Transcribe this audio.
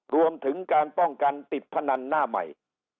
รวมถึงการป้องกันติดพนันหน้าใหม่